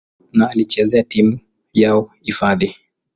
na alichezea timu yao hifadhi.